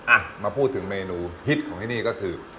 อ่ะมาพูดถึงเมนูฮิตของที่นี่ก็คือ